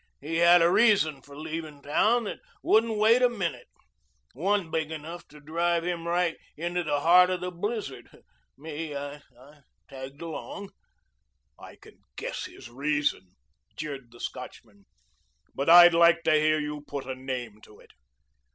He had a reason for leavin' town that wouldn't wait a minute, one big enough to drive him right into the heart of the blizzard. Me, I tagged along." "I can guess his reason," jeered the Scotchman. "But I'd like to hear you put a name to it."